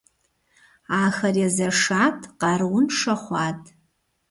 Ахэр езэшат, къарууншэ хъуат.